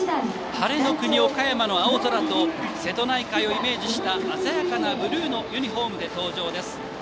「晴れの国岡山」の青空と瀬戸内海をイメージした鮮やかなブルーのユニフォームで登場です。